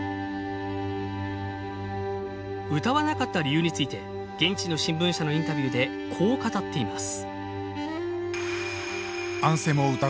歌わなかった理由について現地の新聞社のインタビューでこう語っています。